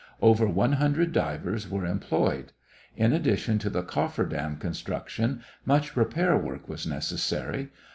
Over one hundred divers were employed. In addition to the coffer dam construction much repair work was necessary.